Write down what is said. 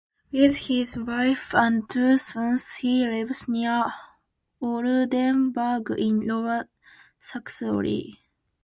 With his wife and two sons he lives near Oldenburg in Lower Saxony.